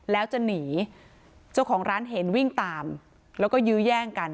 แล้วจะหนีเจ้าของร้านเห็นวิ่งตามแล้วก็ยื้อแย่งกัน